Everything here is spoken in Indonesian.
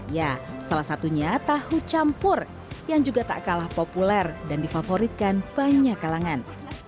ya salah satunya tahu campur yang juga tak kalah populer dan difavoritkan banyak kalangan